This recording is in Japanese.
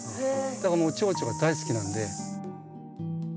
だからもうチョウチョが大好きなんで。